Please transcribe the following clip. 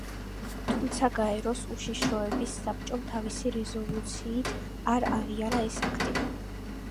თუმცა გაეროს უშიშროების საბჭომ თავისი რეზოლუციით არ აღიარა ეს აქტი.